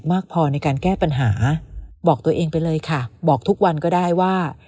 มากพอในการแก้ปัญหาบอกตัวเองไปเลยค่ะบอกทุกวันก็ได้ว่า